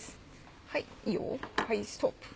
はいいいよはいストップ。